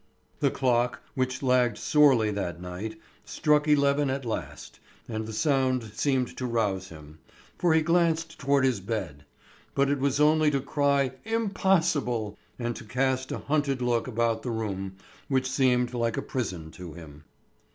The clock, which lagged sorely that night, struck eleven at last, and the sound seemed to rouse him, for he glanced toward his bed. But it was only to cry "Impossible!" and to cast a hunted look about the room which seemed like a prison to him.